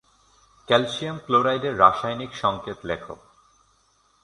Calcium ক্লোরাইডের রাসায়নিক সংকেত লেখ।